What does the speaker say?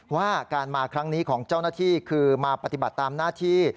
ว่าการมาครั้งนี้ของเจ้าหน้าที่คือมาปฏิบัติตามหน้าที่